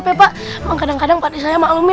rp empat puluh dengan dikurangi